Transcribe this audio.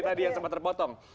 tadi yang sama terpotong